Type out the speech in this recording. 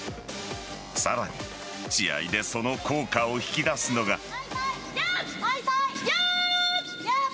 さらに試合でその効果を引き出すのが。